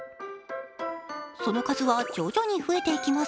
その数は徐々に増えていきます。